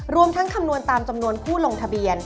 รวมทั้งคำนวณตามจำนวนผู้ลงทะเบียน